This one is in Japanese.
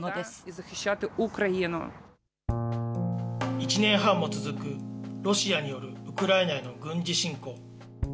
１年半も続くロシアによるウクライナへの軍事侵攻。